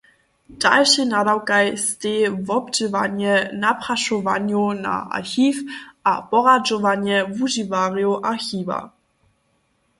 Dalšej nadawkaj stej wobdźěłanje naprašowanjow na archiw a poradźowanje wužiwarjow archiwa.